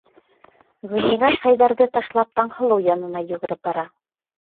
Гөллирә Хәйҙәрҙе ташлап Таңһылыу янына йүгереп бара.